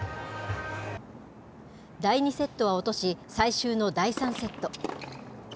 第２セットは落とし、最終の第３セット。